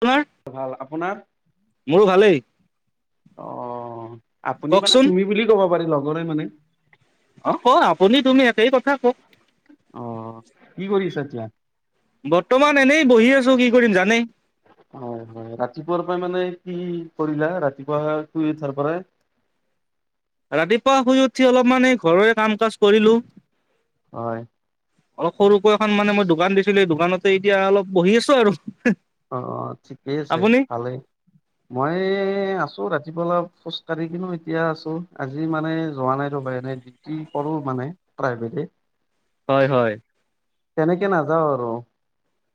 আপোনাৰ ভাল আপোনাৰ মোৰো ভালেই অ আপুনি মানে কওকচোন তুমি বুলি কব পাৰি লগৰে মানে অ হয় আপুনি তুমি একেই কথা কও অ কি কৰিছা এতিয়া বৰ্তমান এনেই বহি আছো কি কৰিম জানেই হয় হয় ৰাতিপুৱাৰ পৰা মানে কি কৰিলা ৰাতিপুৱা শুই উঠাৰ পৰা ৰাতিপুৱা শুই উঠি অলপমানে ঘৰৰে কাম কাজ কৰিলো হয় অলপ সৰুকৈ এখন মানে মই দোকান দিছিলো এই দোকানতে এতিয়া অলপ বহি আছো আৰু অ অ ঠিকেই আছে আপুনি ভালেই মই আছো ৰাতি ৰাতিপুৱা অলপ খোজ কাঢ়ি দিলোঁ এতিয়া আছো আজি মানে যোৱা নাই ৰ'বা এনেই ডিউটি কৰো মানে [unintelligible] প্ৰাইভেট এ হয় হয় তেনেকে নাযাওঁ আৰু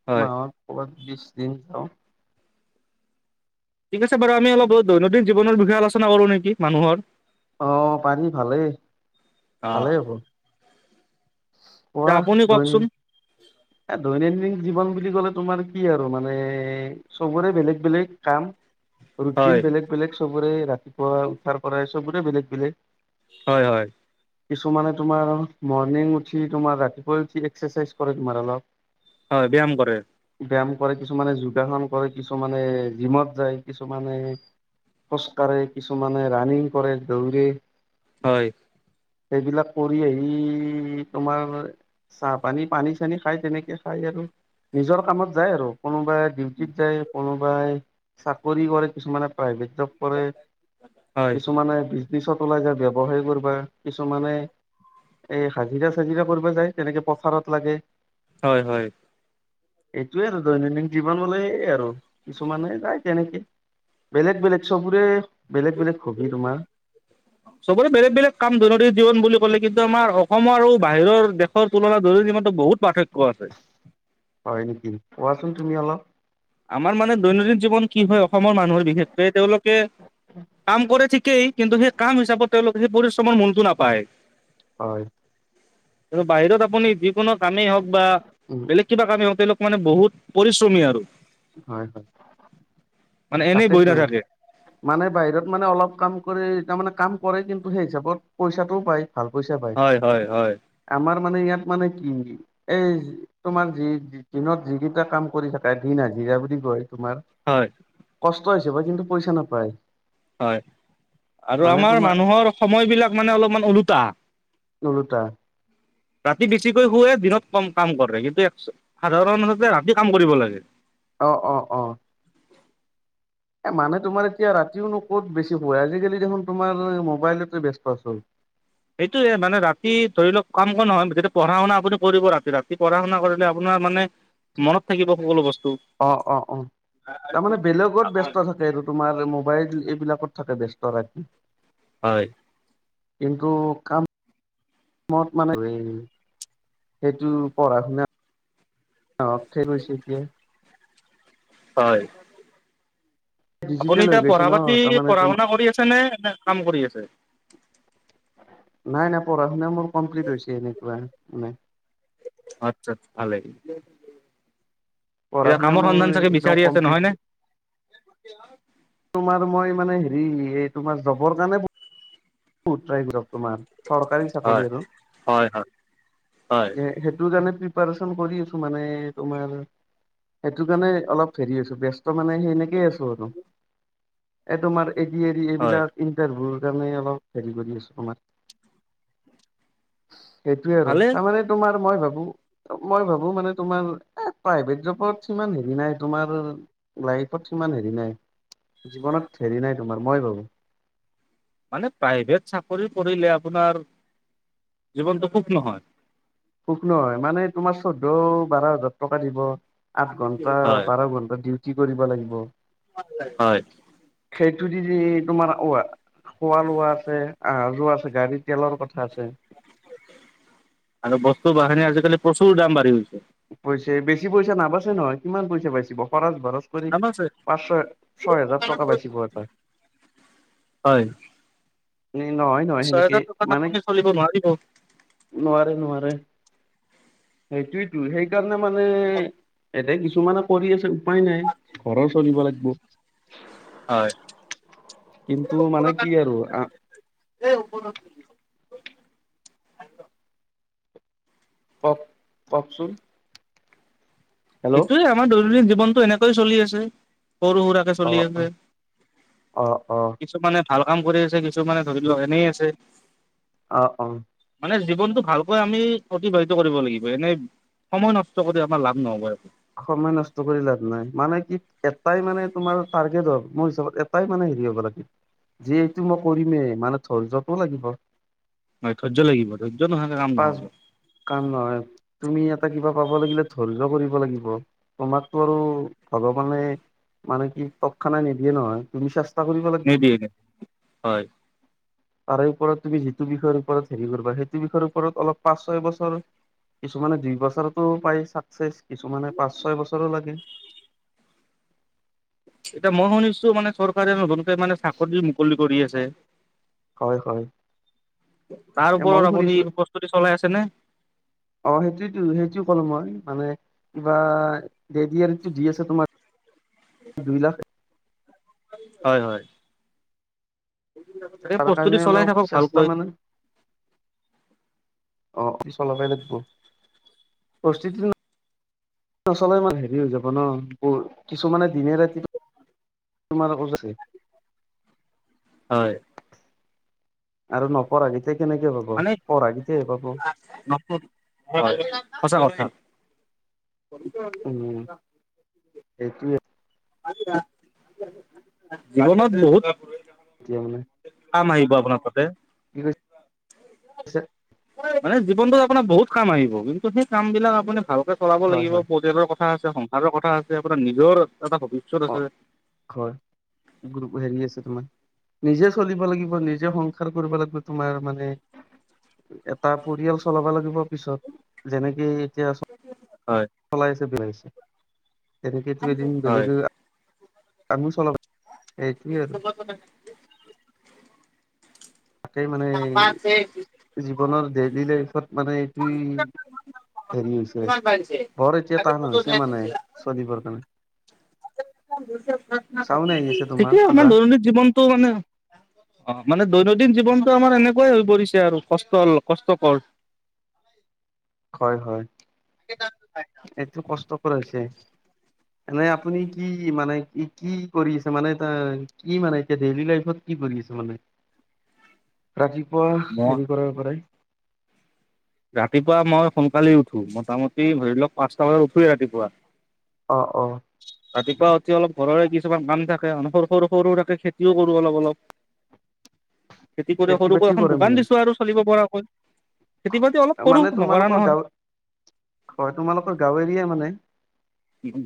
হয় মাহত কৰোবাত বিশ দিন যাওঁ ঠিক আছে বাৰু আমি অলপ দৈনন্দিন জীৱনৰ বিষয়ে আলোচনা কৰো নেকি মানুৰ অ পাৰি ভালেই ভালেই হ'ব তে পোৱা আপুনি কওকচোন দৈনিক এ দৈনন্দিন জীৱন বুলি ক'লে তোমাৰ কি আৰু মানে চবৰে বেলেগ বেলেগ কাম ৰুটিন হয় বেলেগ বেলেগ চবৰে ৰাতিপুৱা উঠাৰ কৰা চবৰে বেলেগ বেলেগ হয় হয় কিছুমানে তোমাৰ মৰ্ণিং উঠি তোমাৰ ৰাতিপুৱাই উঠি এক্সাৰচাইজ কৰে তোমাৰ অলপ হয় ব্যায়াম কৰে ব্যায়াম কৰে কিছুমানে যোগাসন কৰে কিছুমানে জিমত যায় কিছুমানে খোজ কাঢ়ে কিছুমানে ৰানিং কৰে দৌৰে হয় সেইবিলাক কৰি আহি তোমাৰ চাহ পানী পানী খাই তেনেকে খাই আৰু নিজৰ কামত যায় আৰু কোনোবাই ডিউটিত যায় কোনোবাই চাকৰি কৰে কিছুমানে প্ৰাইভেট জব কৰে হয় কিছুমানে পিছত ওলাই যায় ব্যৱসায় কৰিবা কিছুমানে এই হাজিৰা চাজিৰা কৰিব যায় তেনেকে পথাৰত লাগে। হয় হয় এইটোয়ে আৰু দৈনন্দিন জীৱন হলে আৰু কিছুমানে যায় তেনেকে বেলেগ বেলেগ চবৰে বেলেগ বেলেগ হবি তোমাৰ চবৰে বেলেগ বেলেগ কাম দৈনন্দিন জীৱন বুলি ক'লে কিন্তু আমাৰ অসমৰ আৰু বাহিৰৰ [unintelligible] দেশৰ তুলনা ধৰি নিমানটো বহুত পাৰ্থক্য আছে। [unintelligible] হয় নেকি কোৱাচোন তুমি অলপ আমাৰ মানে দৈনন্দিন জীৱন কি হয় অসমৰ মানুহৰ বিশেষকে তেওঁলোকে কাম কৰে ঠিকেই কিন্তু সেই কাম হিচাপত তেওঁলোকে সেই পৰিশ্ৰমৰ মূলটো নাপায়। হয় বাহিৰত আপুনি যিকোনো কামেই হওঁক বা উম বেলেগ কিবা কামেই হওক তেওঁলোক মানে বহুত পৰিশ্ৰমী আৰু। হয় হয়। মানে এনেই বহি তাকেতো নাথাকে মানে বাহিৰত মানে অলপ কাম কৰি তাৰ মানে কাম কৰে কিন্তু সেই হিচাপত পইচাটোও পায়। ভাল পইচা পায়। হয় হয় হয় আমাৰ মানে ইয়াত মানে কি এই তোমাৰ যি দি - দিনত যিকেইটা কাম কৰি থাকে দিন হাজিৰা বুলি কয়। তোমাৰ হয় কষ্ট হিচাপে কিন্তু পইচা নাপায়। হয় আৰু মানে আমাৰ তোমাৰ মানুহৰ সময় বিলাক মানে অলপমান ওলোটা। ওলোটা। ৰাতি বেছিকৈ শুৱে দিনত কম কাম কৰে কিন্তু একচু সাধাৰণতে ৰাতি কাম কৰিব লাগে। অ' অ' অ'। এ মানে তোমাৰ এতিয়া ৰাতিও নো ক'ত বেছি শোৱে, আজিকালি দেখোন তোমাৰ মোবাইলটোতে ব্যস্ত চব। সেইটোৱে মানে ৰাতি ধৰি লওক কাম ক নহয় যেতিয়া পঢ়া শুনা আপুনি কৰিব ৰাতি ৰাতি পঢ়া শুনা কৰিলে আপোনাৰ মানে মনত থাকিব সকলো বস্তু। অ অ অ তাৰমানে বেলেগত ব্যস্ত থাকে, এইটো তোমাৰ মোবাইল এইবিলাকত থাকে ব্যস্ত ৰাতি। হয়। কিন্তু কাম [unintelligible] মানে [unintelligible] সেইটো পঢ়া শুনা অ' [unintelligible] হয়। আপুনি ডিজিটেল হৈ এতিয়া গৈছে পঢ়া ন পাতি - তাৰমানে পঢ়া তোম শুনা কৰি আছে নে, নে কাম কৰি আছে? নাই নাই পঢ়া শুনা মোৰ কমপ্লিট হৈছে এনেকুৱা মানে। আচ্ছা, ভাল লাগিল। পঢ়া এতিয়া শুনা কামৰ মোৰ সন্ধান চাগে একদম বিচাৰি আছে কমপ্লিট নহয়নে? তোমাৰ মই মানে হেৰি এই তোমাৰ জবৰ কাৰণে বহুত ট্ৰাই [unintelligible] তোমাৰ। চৰকাৰী চাকৰি হয়, আৰু হয়, হয়, হয়। এ সেইটো জানে প্ৰিপাৰেচন কৰি আছো মানে তোমাৰ সেটো কাৰণে অলপ হেৰি আছো ব্যচ ত মানে সেনেকে আছো আৰু এ তোমাৰ এ দি এৰি হয়, এইবিলাক ইন্টাৰভূল সেইকাৰণে অলপ হেৰি কৰি আছো তোমাৰ। সেইটোৱে আৰু ভালে তাৰমানে তোমাৰ মই ভাবো, মই ভাবো মানে তোমাৰ প্ৰাইভেট জবত সিমান হেৰি নাই, তোমাৰ লাইফত সিমান হেৰি নাই। জীৱনত হেৰি নাই তোমাৰ মই ভাবো। মানে প্ৰাইভেট চাকৰি কৰিলে আপোনাৰ জীৱনটো সুখ নহয়। সুখ নহয় মানে তোমাৰ চৈধ্য ও বাৰ হাজাৰ টকা দিব। আঠ ঘন্টা, হয়, বাৰ ঘন্টা ডিউটি কৰিব লাগিব। হয়। সেইতো দি দি তোমাৰ অৱা খোৱা লোৱা আছে, আহা যোৱা আছে, গাড়ীৰ তেলৰ কথা আছে। আৰু বস্তু বাহানী আজিকালি প্ৰচুৰ দাম বাঢ়ি গৈছে। হৈছে। বেছি পইচা নাবাছে নহয় কিমান পইচা বাচিব! খৰচ বৰচ কৰি দাম আছে। পাঁচ ছয় - ছয় হেজাৰ টকা বাচিব এটা। হয়। নি নহয় নহয় সেনেকে ছহেজাৰ টকাত মানে, আপুনি চলিব নোৱাৰিব। নোৱাৰে নোৱাৰে। সেইটোইতো সেইকাৰণে মানে এতে কিছুমানে কৰি আছে‌ উপায় নাই ঘৰৰ চলিব লাগব। কিন্তু মানে কি আৰু আ [unintelligible] কক, ককচোন? সেইটোয়ে আমাৰ দৈনন্দিন জীৱনটো এনেকৈ চলি আছে সৰু সুৰাকে অ চলি আছে। অ অ কিছুমানে ভাল কাম কৰি আছে কিছু মানে ধৰি লওক এনেই আছে আহ অ মানে জীৱনটো ভালকৈ আমি অতিবাহিত কৰিব লাগিব এনে সময় নষ্ট কৰি আমাৰ লাভ নহ'ব সময় নষ্ট কৰি লাভ নাই মানে কি এটাই মানে তোমাৰ টাৰ্গেট হ'ল মোৰ হিচাপত এটাই মানে হেৰি হ'ব লাগে যে এইটো মই কৰিমে মানে ধৈৰ্যটো লাগিব নহয় ধৈৰ্য লাগিব ধৈৰ্য নোহোৱাকে কাম পাঁচ নহ'ব কাম নহয় তুমি ইয়াত কিবা পাব লাগিলে ধৈৰ্য কৰিব লাগিব ব তোমাকতো আৰু ভগৱানে মানে কি তৎক্ষণাৎ নিদিয়ে নহয় তুমি চেছ নিদিয়ে হয় তাৰে ওপৰত তুমি যিটো বিষয়ৰ ওপৰত হেৰি কৰিবা সেইটো বিষয়ৰ ওপৰত অলপ পাঁচ ছয় বছৰ কিছুমানে দুই বছৰতো পায় চাকচেচ কিছুমানে পাঁচ ছয় বছৰো লাগে এতিয়া মই শুনিছোঁ মানে ধৰ চৰকাৰে নতুনকে মানে চাকৰি মুকলি কৰি আছে হয় হয় তাৰ এ ময়ো ওপৰত আপুনি শুনিছো প্ৰস্তুতি চলাই আছে নে অ সেইটোয়েতো সেইটো ক'লো মই মানে কিবা এ দি আৰ ই টো দি আছে তোমাৰ দুই লাখ হয় হয় তাৰ প্ৰস্তুতি কাৰণে চলাই অলপ থাকক চেষ্টা ভালকৈ মানে অ অফিচৰ পৰা আহিলে দিব পৰিস্থিতি [unintelligible] নচলে ইমান হেৰি হৈ যাব ন প কিছুমানে দিনে ৰাতিয়ে তোমাৰ গছ আকে হয় আৰু নপৰা যে তে কেনেকে হ'ব মানে পঢ়া কেইটাই হে পাব হয় সঁচা কথা উম [unintelligible] সেইটোয়ে জীৱনত বহুত তেতিয়াহলে কাম আহিব আপোনাৰ তাতে কি কৈছে মানে জীৱনটোত আপোনাৰ বহুত কাম আহিব কিন্তু সেই কাম বিলাক আপুনি ভালকে চলাব হয় লাগিব হয় পৰিয়ালৰ কথা কথা আছে সংসাৰৰ কথা আছে আপোনাৰ নিজৰ এটা ভৱিষ্যত অ আছে হয় গ্ৰুপ হেৰি আছে তোমাৰ নিজে চলিব লাগিব নিজে সংসাৰ কৰিব লাগিব তোমাৰ মানে এটা পৰিয়াল চলাব লাগিব পিছত যেনেকে এতিয়া হয় চলাইছে বিলাইছে তেনেকেটো এদিন হয় বেলেগে আমিও চলাব এইটোৱেই আৰু কে মানে জীৱনৰ ডেইলি লাইফত মানে এইটোয়েই হেৰি হৈছে বৰ এতিয়া টান হৈছে মানে চলিবৰ কাৰণে চাউন আহি আছে তোমাৰ ঠিকেই আছে কিবা দৈনন্দিন জীৱনটো মানে অ মানে দৈনন্দিন জী জীৱনটো আমাৰ এনেকুৱাই হৈ পৰিছে আৰু কষ্ট অল কষ্টকৰ হয় হয় এইটো কষ্ট পুৰা হৈছে এনে আপুনি কি মানে কি কি কৰি আছে মানে এটা কি মানে এতিয়া ডেইলি লাইফত কি কৰি কিছুমানে ৰাতিপুৱা মই হেৰি কৰাৰ পৰাই ৰাতিপুৱা মই সোনকালে উঠো মোটামুটি ধৰি লওক পাঁচটা বজাত উঠোৱেই ৰাতিপুৱা অ অ ৰাতিপুৱাই উঠি অলপ ঘৰৰে কিছুমান কাম থাকে, সৰু সৰু সৰু থাকে খেতিও কৰো অলপ অলপ। খেতি কৰি সৰুকৈ বাতি এখন কৰে মানে দোকান দিছো আৰু চলিব পৰাকৈ। খেতি বাতি অলপ কৰো মানে নকৰা তোমালোকৰ নহয় গাঁও, হয় তোমালোকৰ গাওঁ এৰিয়া মানে?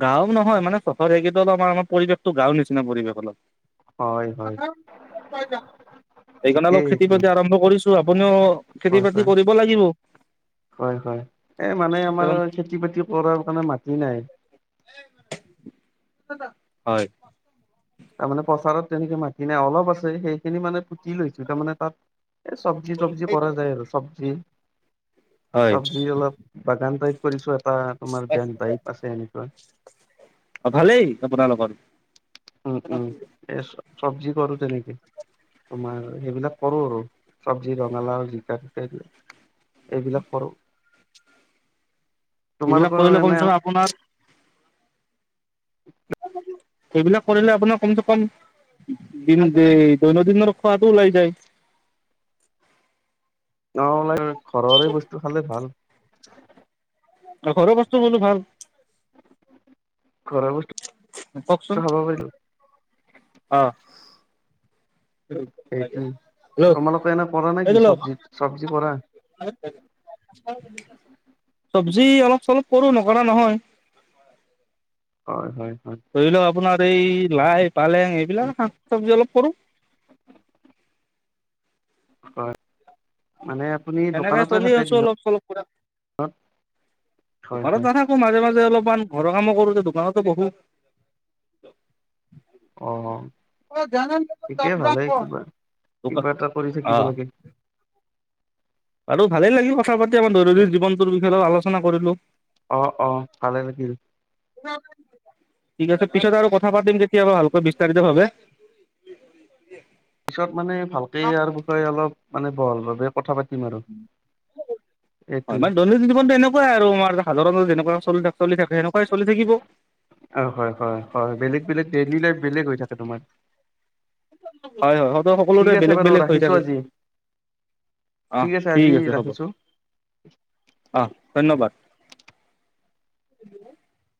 গাওঁ নহয় মানে চহৰেকেইটা আমাৰ পৰিৱেশতো গাওঁ নিচিনা পৰিৱেশ অলপ। হয় হয়। সেইকাৰণে অলপ ঠিকেই খেতি সেইটো বাতি আৰম্ভ কৰিছো, আপুনিও খেতি হয় বাতি হয় কৰিব লাগিব। হয় হয় এ মানে আমাৰ কাৰণ খেতি বাতি কৰাৰ কাৰণে মাটি নাই। হয়। তাৰমানে পথাৰত তেনেকে মাতি নাই অলপ আছে সেইখিনি মানে পুতি লৈছো তাৰমানে তাত এই চব্জি তবজি কৰা যায় আৰু চব্জি হয় চবজি অলপ বাগান টাইপ কৰিছো এটা তোমাৰ বেন টাইপ আছে এনেকুৱা। অ ভালেই আপোনালোকৰ? উম উম এই চব্জি কৰোতে নেকি তোমাৰ সেইবিলাক কৰো আৰু চব্জি ৰঙালাও জিকা চিকা এইবিলাক এইবিলাক কৰোঁ। এইবিলাক কৰিলে এনে কমচে কম আপোনাৰ সেইবিলাক কৰিলে আপোনাৰ কম চে কম দিনত যে দৈনন্দনৰ খোৱাটো ওলাই যায়। অ ওলাই ঘৰৰে বস্তু খালে ভাল। ঘৰৰ বস্তু হলো ভাল। ঘৰৰ বস্তু ল'ব পাহৰিলোঁ। আহ। সেইটোৱেই হেল্ল' তোমালোকে এনে কৰা নে কি চবজি চবজি কৰা? [unintelligible] চবজি অলপ চলপ কৰো নকৰা নহয়। হয় হয়। হয় ধৰি লওঁক আপোনাৰ এই লাই পালেং এইবিলাকে শাক চবজি অলপ কৰো। হয়। মানে আপুনি সেনেকে দোকানতে চলি থাকে আছোঁ দিনত অলপ চলপ কৰি। হয় দোকানত হয় নাথাকোঁ মাজে মাজে অলপ কিছোমান ঘৰৰ কামো কৰো যে দোকানতো বহোঁ। অ ঠিকেই ভালেই কিবা দোকান কিবা এটা কৰি অ থাকিব লাগে। আৰু ভালেই লাগিল কথা পাতি আমাৰ দৈনন্দিন জীৱনটোৰ বিষয়ে লগত আলোচনা কৰিলোঁ। অ অ ভালে লাগিল। ঠিক আছে পিছত আৰু কথা পাতিম কেতিয়াবা ভালকৈ বিস্তাৰিত ভাবে। পিছত মানে ভালকে ইয়াৰ বিষয়ে অলপ মানে বহল ভাৱে কথা পাতিম আৰু। [inaudible] হয় মানে দৈনন্দিন জীৱনতো এনেকুৱাই আৰু আমাৰ সাধাৰণ যেনেকুৱা চলি থাকে সেনেকুৱাই চলি থাকিব। অ হয় হয় হয় বেলেগ বেলেগ ডেইলি লাইফ বেলেগ হৈ থাকে তোমাৰ। হয় হয় হয়তো ঠিক সকলোৰে আছে বেলেগ বাৰু বেলেগ হৈ ৰাখিছো থাকে। আজি আহ ঠিক আছে হ'ব আহ ধন্যবাদ। [inaudible]